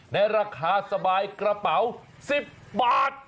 ในราคาสบายกระเป๋า๑๐บาท